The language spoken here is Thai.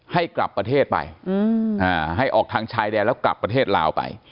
ให้กลับประเทศไปให้ออกทางชายแดนแล้วกลับประเทศลาวไป